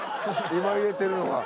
今入れてるのが。